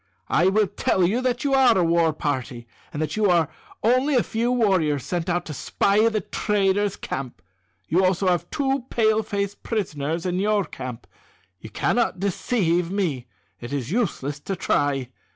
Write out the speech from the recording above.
I will tell you that you are a war party, and that you are only a few warriors sent out to spy the traders' camp. You have also two Pale face prisoners in your camp. You cannot deceive me. It is useless to try.